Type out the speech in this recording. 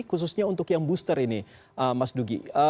khususnya untuk yang booster ini mas dugi